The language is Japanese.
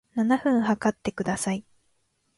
七分測ってください